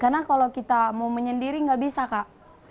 karena kalau kita mau menyendiri nggak bisa kak